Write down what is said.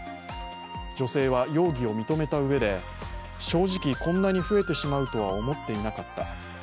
女性は容疑を認めたうえで正直こんなに増えてしまうとは思ってなかった。